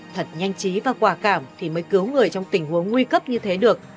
thật nhanh chí và quả cảm thì mới cứu người trong tình huống nguy cấp như thế được